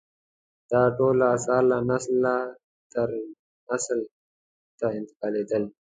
دا ټول اثار له نسله تر نسل ته انتقالېدل.